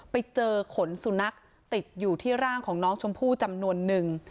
ไปเจอขนสุนัขติดอยู่ที่ร่างของน้องชมพู่จำนวนนึง